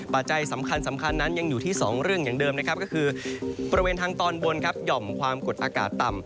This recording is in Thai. ปัจจัยสำคัญนั้นยังอยู่ที่๒เรื่องอย่างเดิมนะครับก็คือบริเวณทางตอนบนครับหย่อมความกดอากาศต่ำ